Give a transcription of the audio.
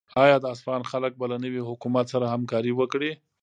آیا د اصفهان خلک به له نوي حکومت سره همکاري وکړي؟